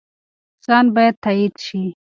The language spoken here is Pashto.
سند باید تایید شي.